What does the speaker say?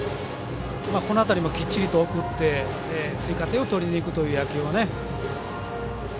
この辺りもきっちりと送って追加点を取りにくるという野球もね。